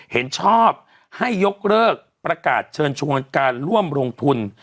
เห็นชอบให้ยกเลิกประกาศเชิญชวนการร่วมลงทุน